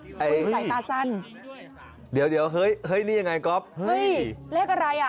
ใส่ตาสั้นเดี๋ยวเฮ้ยนี่ยังไงกอล์ฟเฮ้ยเลขอะไรอ่ะ